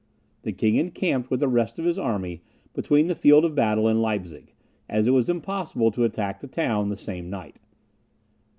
The king encamped with the rest of his army between the field of battle and Leipzig, as it was impossible to attack the town the same night.